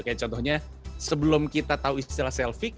kayak contohnya sebelum kita tahu istilah selfie